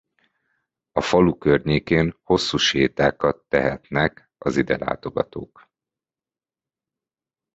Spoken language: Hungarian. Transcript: A falu környékén hosszú sétákat tehetnek az idelátogatók.